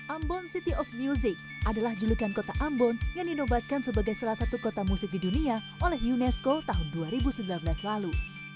ambon city of music adalah julukan kota ambon yang dinobatkan sebagai salah satu kota musik di dunia oleh unesco tahun dua ribu sembilan belas lalu